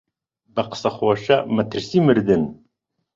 بە قسە خۆشە مەترسیی مردن